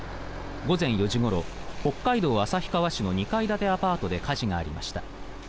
午前４時ごろ北海道旭川市の２階建てのアパートで火事がありました。